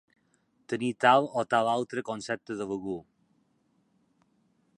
Tenir tal o tal altre concepte d'algú.